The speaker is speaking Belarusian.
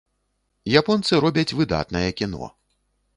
Японцы робяць выдатнае кіно.